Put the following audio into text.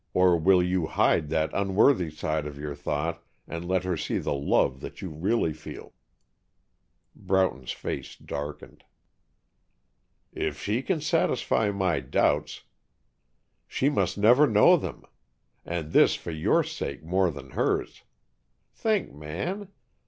Or will you hide that unworthy side of your thought and let her see the love that you really feel?" Broughton's face darkened. "If she can satisfy my doubts " "She must never know them! And this for your sake more than hers. Think, man.